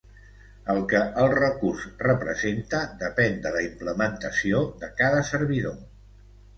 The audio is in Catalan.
El que el recurs representa depèn de la implementació de cada servidor.